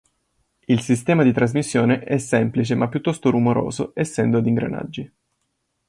Il sistema di trasmissione è semplice ma piuttosto rumoroso essendo ad ingranaggi.